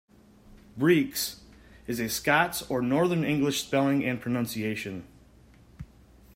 "Breeks" is a Scots or northern English spelling and pronunciation.